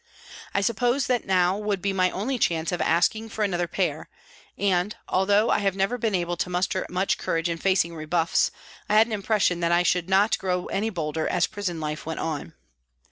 I supposed that now would be my only chance of asking for another pair, and, although I never have been able to muster much courage in facing rebuffs, I had an impression that I should not grow any bolder as prison life went on.